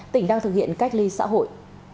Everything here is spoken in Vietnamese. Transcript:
tỉnh đang thực hiện cách ly xã hội